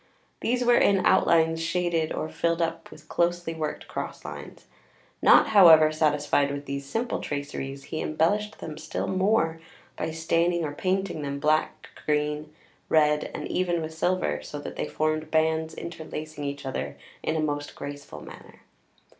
These were in outlines shaded or filled up with closely worked cross lines. Not, however, satisfied with these simple traceries, he embellished them still more by staining or painting them black, green, red, and even with silver, so that they formed bands interlacing each other in a most graceful manner.